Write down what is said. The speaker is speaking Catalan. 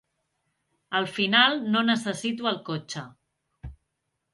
Al final no necessito el cotxe.